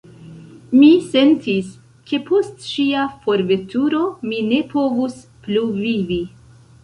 Mi sentis, ke post ŝia forveturo, mi ne povus plu vivi.